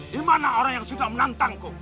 dimana orang yang sudah menantangku